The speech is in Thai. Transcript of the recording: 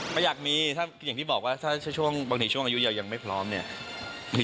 ไม่อยากมีอย่างที่บอกว่าบางทีช่วงอายุยาวยังไม่พร้อมเนี่ย